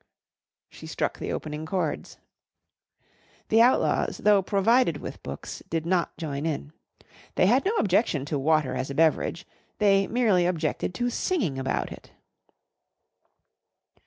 She struck the opening chords. The Outlaws, though provided with books, did not join in. They had no objection to water as a beverage. They merely objected to singing about it.